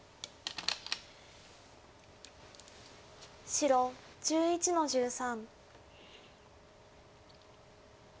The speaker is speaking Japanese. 白１１の十三。